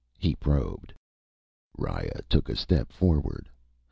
He probed. Riya took a step forward.